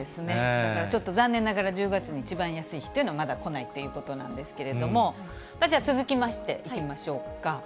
だからちょっと残念ながら、１０月に一番安い日っていうのはまだ来ないということなんですけども、じゃあ、続きましていきましょうか。